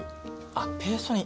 あっペーストに。